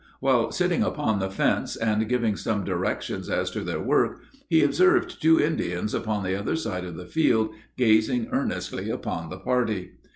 While sitting upon the fence and giving some directions as to their work, he observed two Indians upon the other side of the field gazing earnestly upon the party.